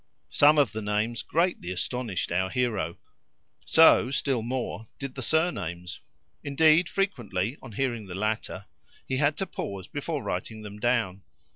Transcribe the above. Some of the names greatly astonished our hero, so, still more, did the surnames. Indeed, frequently, on hearing the latter, he had to pause before writing them down.